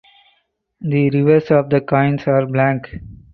The reverse of the coins are blank.